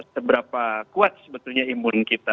seberapa kuat sebetulnya imun kita